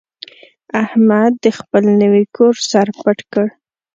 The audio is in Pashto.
احمد د خپل نوي کور سر پټ کړ.